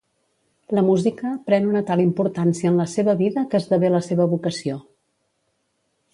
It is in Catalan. La música pren una tal importància en la seva vida que esdevé la seva vocació.